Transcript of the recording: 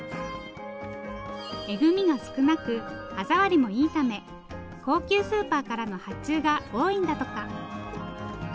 エグミが少なく歯触りもいいため高級スーパーからの発注が多いんだとか。